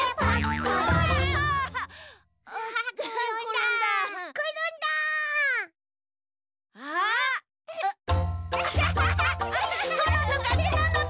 コロンのかちなのだ！